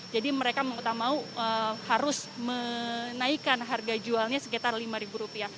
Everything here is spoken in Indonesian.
jadi mereka mau tak mau harus menaikkan harga jualnya sekitar rp lima